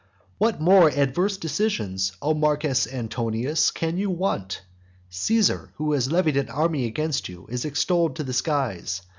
III. What more adverse decisions, O Marcus Antonius, can you want? Caesar, who has levied an army against you, is extolled to the skies.